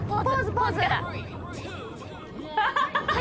ポーズ！